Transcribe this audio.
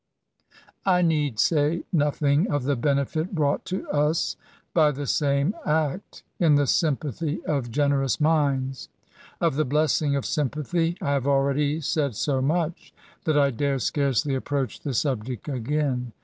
I need say nothing of the benefit brought to us^ by the same act^ in the sympathy of generous minds. Of the blessing of sympathy I have already said so much that I dare scarcely approach the subject again.